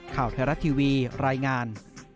ข่าวไทยรัฐทีวีรายงาน